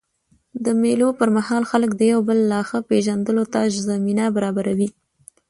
د مېلو پر مهال خلک د یو بل لا ښه پېژندلو ته زمینه برابروي.